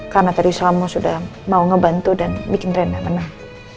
karena tadi suamu sudah mau ngebantu dan bikin rena menang